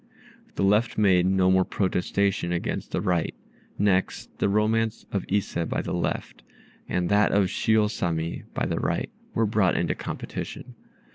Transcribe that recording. The left made no more protestation against the right. Next the romance of Ise by the left, and that of Shiô Sammi by the right, were brought into competition.